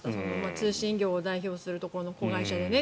通信業を代表するところの子会社で。